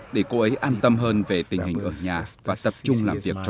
để cô ấy an tâm hơn về tình hình ở nhà và tập trung